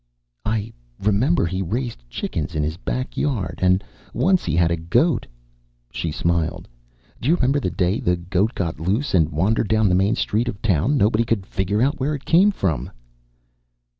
"I remember he raised chickens in his back yard, and once he had a goat." She smiled. "Do you remember the day the goat got loose and wandered down the main street of town? Nobody could figure out where it came from."